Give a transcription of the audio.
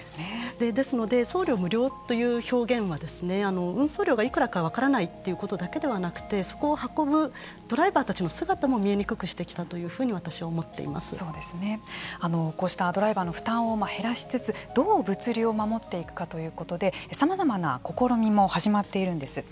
ですので送料無料という表現は運送料がいくらか分からないということだけではなくてそれを運ぶドライバーたちの姿も見えにくくしてきたとこうしたドライバーの負担を減らしつつどう物流を守っていくかということでさまざまな試みも始まっているんです。